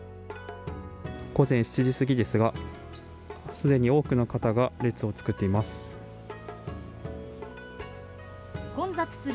午前７時過ぎですがすでに多くの方が列を作っています。